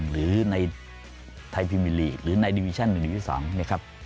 หรือในไทยพิมมิลีกหรือในดิวิชั่น๑๑๒นะครับ